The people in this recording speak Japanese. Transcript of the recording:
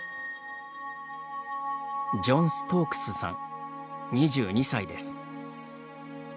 ジョン・ストークスさん２２歳です。